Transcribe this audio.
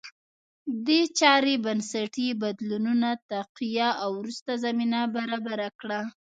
دې چارې بنسټي بدلونونه تقویه او وروسته زمینه برابره کړه